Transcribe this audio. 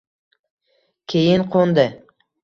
keyin qo‘ndi.